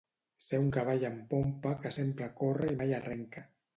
Ser un cavall en pompa, que sempre corre i mai arrenca.